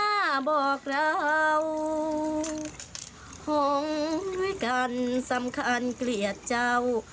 ถ้าบอกเราหงด้วยกันสำคัญเกลียดเจ้า